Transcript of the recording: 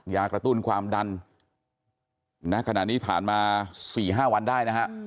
ยากระตุ้นความดันณขณะนี้ผ่านมา๔๕วันได้นะฮะ